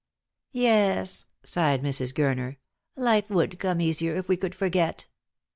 " Yes," sighed Mrs. Gurner; " life would come easier if we could forget."